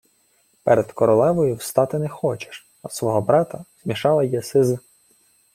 — Перед королевою встати не хочеш, а свого брата змішала єси з...